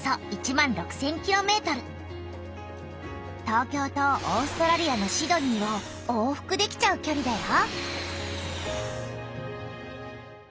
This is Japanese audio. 東京とオーストラリアのシドニーを往復できちゃうきょりだよ。